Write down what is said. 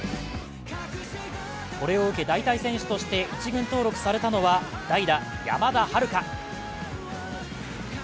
これを受け代替選手として１軍登録されたのは代打・山田遥楓。